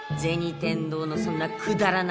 天堂のそんなくだらない